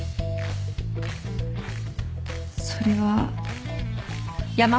それは